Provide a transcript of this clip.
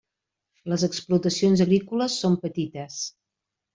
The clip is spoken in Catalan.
Les explotacions agrícoles són petites.